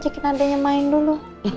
jagain adeknya main dulu